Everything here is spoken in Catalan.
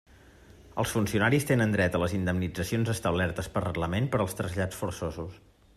Els funcionaris tenen dret a les indemnitzacions establertes per reglament per als trasllats forçosos.